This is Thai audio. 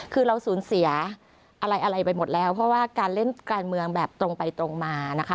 คือเราสูญเสียอะไรไปหมดแล้วเพราะว่าการเล่นการเมืองแบบตรงไปตรงมานะคะ